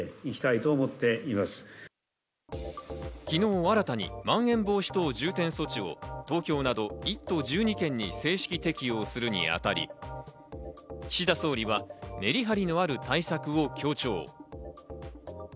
昨日新たにまん延防止等重点措置を東京など１都１２県に正式適用するにあたり、岸田総理はメリハリのある対策を強調。